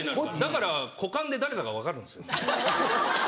だから股間で誰だか分かるんですよ。